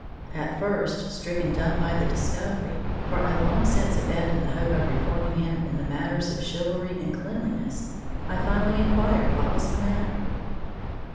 At first stricken dumb by the discovery for I long since abandoned the hope of reforming him in the matters of chivalry and cleanliness I finally inquired what was the matter.